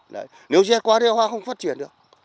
đấy nếu dẹt quá thì hoa không phát triển được